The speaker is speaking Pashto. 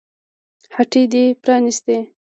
هټۍ دې پرانيستې